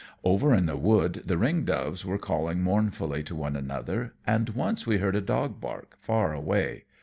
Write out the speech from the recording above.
Over in the wood the ring doves were calling mournfully to one another, and once we heard a dog bark, far away.